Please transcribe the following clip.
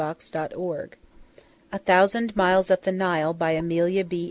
[Title Page] A THOUSAND MILES UP THE NILE BY AMELIA B.